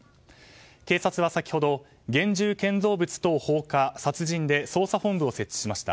警察は先ほど現住建造物等放火殺人の疑いで捜査本部を設置しました。